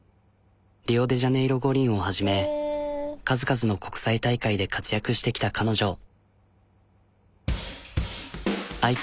リオデジャネイロ五輪をはじめ数々の国際大会で活躍してきた彼女。